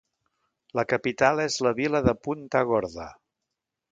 La capital és la vila de Punta Gorda.